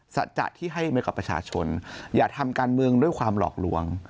สัจจะที่ให้ไว้กับประชาชนอย่าทำการเมืองด้วยความหลอกลวง